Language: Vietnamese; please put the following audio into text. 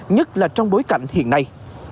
nhất là trong bối cảnh hiện nay